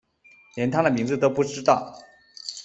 连他的名字都不知道